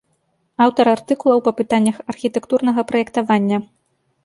Аўтар артыкулаў па пытаннях архітэктурнага праектавання.